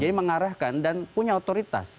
jadi mengarahkan dan punya otoritas